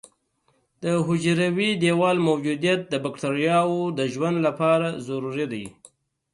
د حجروي دیوال موجودیت د بکټریاوو د ژوند لپاره ضروري دی.